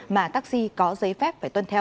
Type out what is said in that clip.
mà taxi có giấy phép